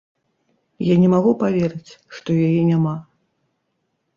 Я не магу паверыць, што яе няма.